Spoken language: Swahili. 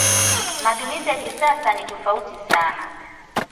Matumizi ya kisasa ni tofauti sana.